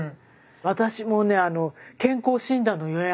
私もね健康診断の予約。